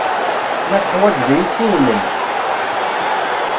Ma teḥwaǧeḍ-iyi, siwel-n.